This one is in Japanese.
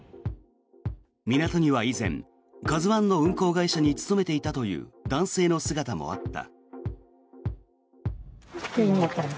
港には以前「ＫＡＺＵ１」の運航会社に勤めていたという男性の姿もあった。